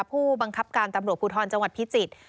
ผู้บังคับการตำรวจภูทรจังหวัดพิจิตร